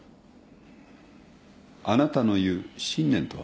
あなたのいう信念とは。